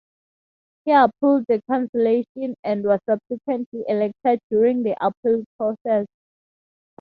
He appealed the cancellation and was subsequently elected during the appeal process.